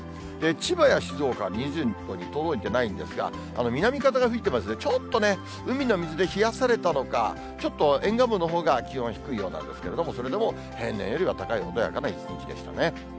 千葉や静岡は２０度に届いてないんですが、南風が吹いてますんで、ちょっと海の水で冷やされたのか、ちょっと沿岸部のほうが気温低いようなんですけれども、それでも平年よりは高い穏やかな一日でしたね。